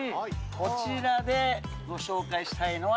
こちらでご紹介したいのは。